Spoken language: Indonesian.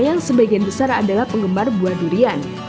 yang sebagian besar adalah penggemar buah durian